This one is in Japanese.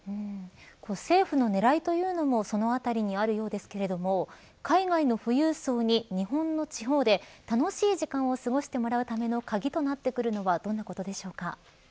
政府の狙いというのもそのあたりにあるようですけれども海外の富裕層に日本の地方で楽しい時間を過ごしてもらうための鍵となってくるのはどんなことでしょうか。